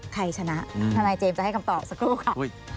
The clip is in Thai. ใครชนะทนายเจมส์จะให้คำตอบสักครู่ค่ะ